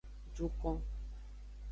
Jukon.